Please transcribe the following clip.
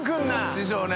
師匠ね。